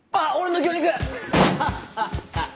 あっ！